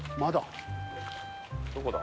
どこだ？